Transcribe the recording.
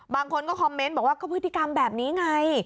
บางคนก็คอมเมนต์บอกว่าก็พฤติกรรมแบบนี้ไง